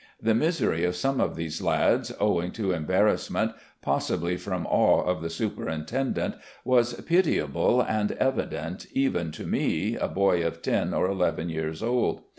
The misery of some of these lads, owing to embarrassment, possibly from awe of the Superintendent, was pitiable and evident even to me, a boy of ten or eleven years old.